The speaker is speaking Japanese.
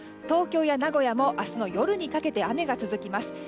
東京や名古屋も明日の夜にかけて雨が続きます。